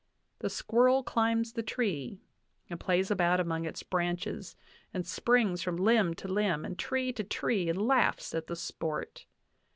The squirrel climbs the tree and plays about among its branches, and springs from limb to limb and tree to tree, and laughs at the sport.